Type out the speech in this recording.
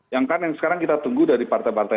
yang kan yang sekarang kita tunggu dari partai partai